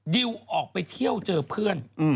ดิวออกไปเที่ยวเจอเพื่อน